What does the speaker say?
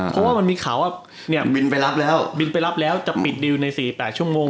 เพราะมันมีข่าวว่าบินไปรับแล้วจะปิดดีลใน๔๘ชั่วโมง